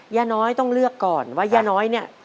ย่าน้อยต้องเลือกก่อนว่าย่าน้อยเนี่ย